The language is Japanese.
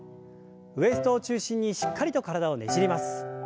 ウエストを中心にしっかりと体をねじります。